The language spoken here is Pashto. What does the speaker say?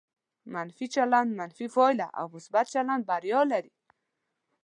منفي چلند منفي پایله او مثبت چلند بریا لري.